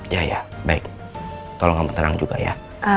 ya ya baik tolong terang juga ya